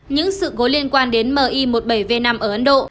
những sự cố liên quan đến mi một mươi bảy v năm ở ấn độ